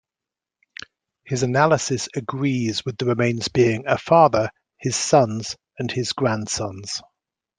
His analysis agrees with the remains being a father, his sons and his grandsons.